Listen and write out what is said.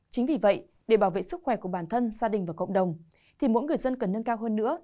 chính vì vậy để bảo vệ sức khỏe của bản thân gia đình và cộng đồng thì mỗi người dân cần nâng cao hơn nữa